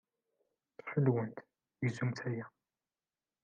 Ttxil-went, gzumt aya.